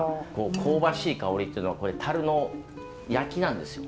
香ばしい香りっていうのは樽の焼きなんですよ。